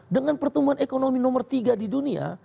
dengan pertumbuhan ekonomi nomor tiga di dunia